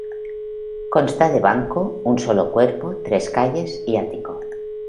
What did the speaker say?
Consta de banco, un solo cuerpo, tres calles y ático.